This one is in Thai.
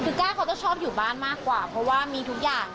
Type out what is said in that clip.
คือก้าเขาจะชอบอยู่บ้านมากกว่าเพราะว่ามีทุกอย่าง